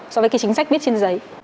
so với cái chính sách viết trên giấy